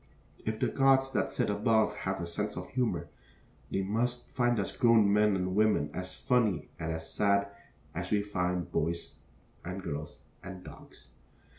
If the gods that sit above have a sense of humor, they must find us grown men and women as funny and as sad as we find the boys and girls and dogs.